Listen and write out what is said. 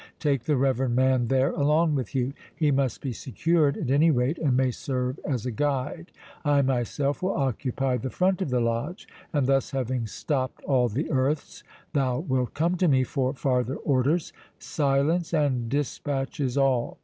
Take the reverend man there along with you. He must be secured at any rate, and may serve as a guide. I myself will occupy the front of the Lodge, and thus having stopt all the earths, thou wilt come to me for farther orders—silence and dispatch is all.